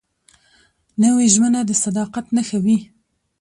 نوې ژمنه د صداقت نښه وي